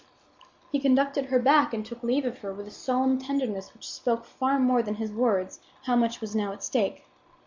He conducted her back and took leave of her with a solemn tenderness which spoke far more than his words how much was now at stake.